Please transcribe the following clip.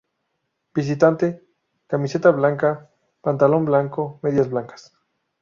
Visitante: Camiseta blanca, pantalón blanco, medias blancas.